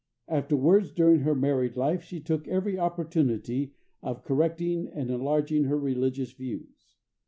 Afterwards, during her married life, she took every opportunity of correcting and enlarging her religious views.